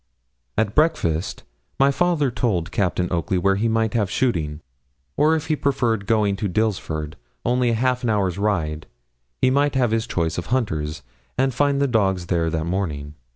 At breakfast my father told Captain Oakley where he might have shooting, or if he preferred going to Dilsford, only half an hour's ride, he might have his choice of hunters, and find the dogs there that morning.